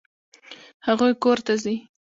هغوی کور ته ځي.